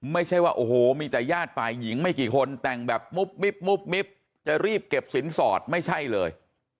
ไม่ใช่ว่าโอ้โหมีแต่ญาติฝ่ายหญิงไม่กี่คนแต่งแบบมุบมิบมุบมิบจะรีบเก็บสินสอดไม่ใช่เลย